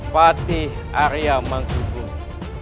patih arya mangkubung